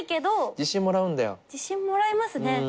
自信もらえますね。